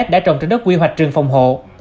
đã trồng trên đất quy hoạch trường phòng hộ